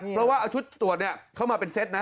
เพราะว่าเอาชุดตรวจเข้ามาเป็นเซ็ตนะ